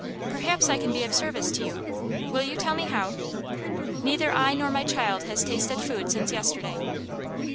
"Perhaps I can be of service to you. Will you tell me how?" "Neither I nor my child has tasted food since yesterday."